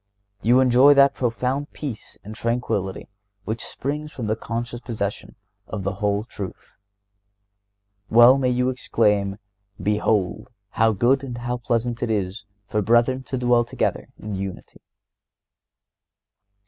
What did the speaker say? You enjoy that profound peace and tranquillity which springs from the conscious possession of the whole truth. Well may you exclaim: "Behold how good and how pleasant it is for brethren to dwell together in unity."